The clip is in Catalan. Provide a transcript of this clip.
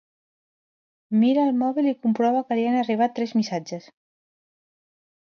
Mira el mòbil i comprova que li han arribat tres missatges.